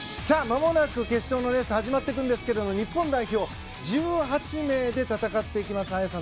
まもなく決勝のレースが始まっていくんですけど日本代表１８名で戦っていきます。